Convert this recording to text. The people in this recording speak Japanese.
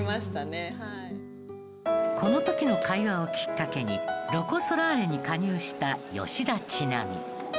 この時の会話をきっかけにロコ・ソラーレに加入した吉田知那美。